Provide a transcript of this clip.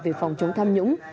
về phòng chống tham nhũng